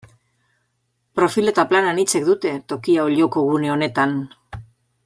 Profil eta plan anitzek dute tokia Olloko gune honetan.